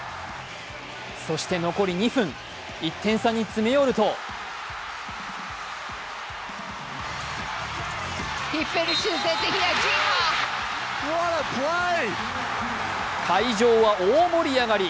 そして残り２分、１点差に詰め寄ると会場は大盛り上がり。